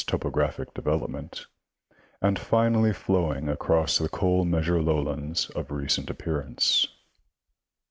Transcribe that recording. topographic development, and finally flowing across the coal measure lowlands of recent appearance.